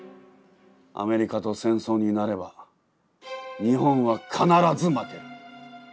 アメリカと戦争になれば日本は必ず負ける。